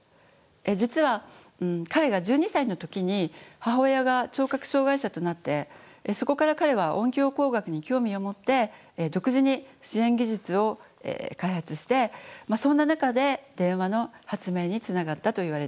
実は彼が１２歳の時に母親が聴覚障害者となってそこから彼は音響工学に興味を持って独自に支援技術を開発してそんな中で電話の発明につながったといわれています。